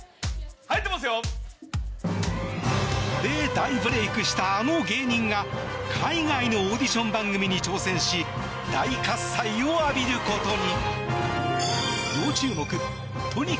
で、大ブレークしたあの芸人が海外のオーディション番組に挑戦し大喝采を浴びることに。